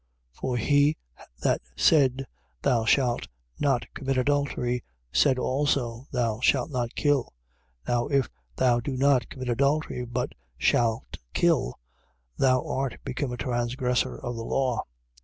For he that said: Thou shalt not commit adultery, said also: Thou shalt not kill. Now if thou do not commit adultery, but shalt kill, thou art become a transgressor of the law.